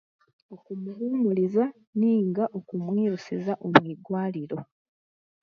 Okumuhuumuriza nainga okumwirusiza omu irwariro